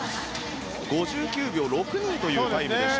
５９秒６２というタイムでした。